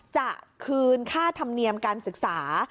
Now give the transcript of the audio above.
จะคืนค่าธรรมเนียมการศึกษา